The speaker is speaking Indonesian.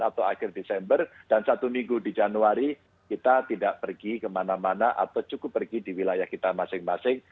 atau akhir desember dan satu minggu di januari kita tidak pergi kemana mana atau cukup pergi di wilayah kita masing masing